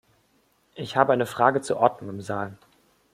Ich habe eine Frage zur Ordnung im Saal.